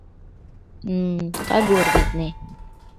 — Хм-м, кагор, витне.